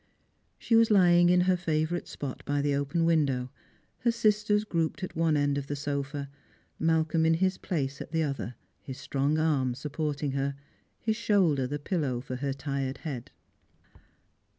She was lying in her favourite spot by the open window, her sisters grouped at one end of the sofa, Slalcolin in his place at the other, his strong arm supporting her, his shoulder the pillow lor her tired head.